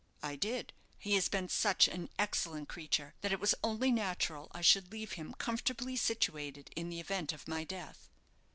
"I did. He has been such an excellent creature, that it was only natural I should leave him comfortably situated in the event of my death."